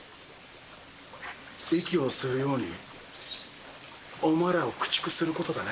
息を吸うようにお前らを駆逐することだね。